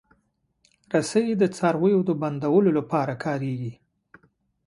رسۍ د څارویو د بندولو لپاره کارېږي.